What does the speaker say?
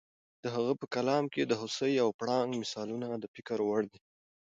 د هغه په کلام کې د هوسۍ او پړانګ مثالونه د فکر وړ دي.